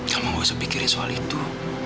kamu gak usah mikirin soal itu